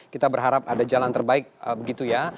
kita berharap ada jalan terbaik begitu ya